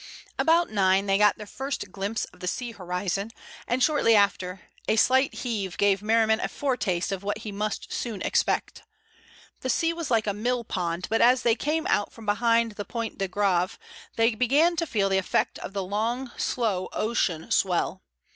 About nine they got their first glimpse of the sea horizon, and, shortly after, a slight heave gave Merriman a foretaste of what he must soon expect. The sea was like a mill pond, but as they came out from behind the Pointe de Grave they began to feel the effect of the long, slow ocean swell.